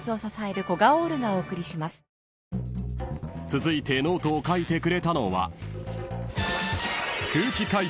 ［続いてノートを書いてくれたのは］